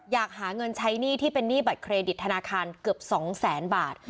อยากหาเงินใช้หนี้ที่เป็นหนี้บัตรเครดิตธนาคารเกือบ๒แสนบาท